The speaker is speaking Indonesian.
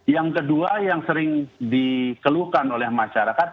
yang kedua yang sering dikeluhkan oleh masyarakat